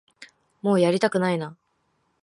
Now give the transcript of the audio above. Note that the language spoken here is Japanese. もうやりたくないな